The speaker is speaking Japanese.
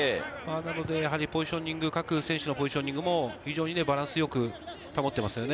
やはりポジショニング、各選手のポジショニングもバランスよく保っています。